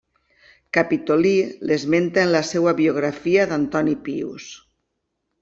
Capitolí l'esmenta en la seva biografia d'Antoní Pius.